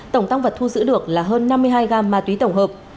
tổng tăng vật thu giữ được là hơn năm mươi hai gam ma túy tổng hợp